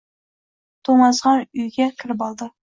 To’masxon uyga kirib oldi.